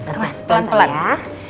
terus pelan pelan ya